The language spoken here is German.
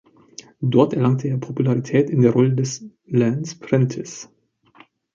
Dort erlangte er Popularität in der Rolle des "Lance Prentiss".